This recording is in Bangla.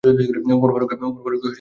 ওমর ফারুককে ছেড়ে দিতে হবে।